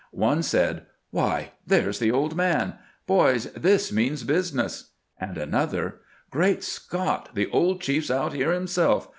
One said: "Why, there 's tlie old man. Boys, this means business "; and another :" Great Scott ! the old chief 's out here himself.